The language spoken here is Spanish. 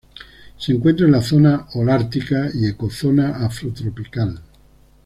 Se encuentra en la zona holártica y ecozona afrotropical.